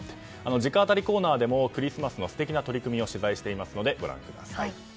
直アタリコーナーでもクリスマスの取り組みを取材していますのでご覧ください。